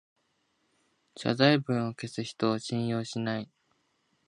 謝罪文を消す人を信用しない